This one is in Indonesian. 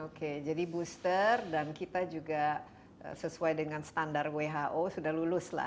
oke jadi booster dan kita juga sesuai dengan standar who sudah lulus lah